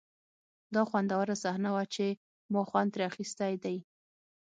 دا خوندوره صحنه وه چې ما خوند ترې اخیستی دی